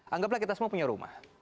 anggaplah kita semua punya rumah